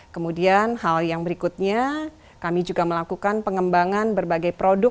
kemudian hal yang berikutnya kami juga melakukan pengembangan berbagai produk